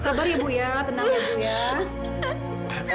sabar ya bu ya tenang ya ibu ya